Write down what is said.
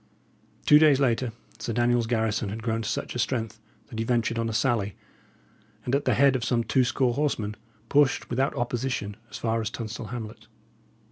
Two days later Sir Daniel's garrison had grown to such a strength that he ventured on a sally, and at the head of some two score horsemen, pushed without opposition as far as Tunstall hamlet.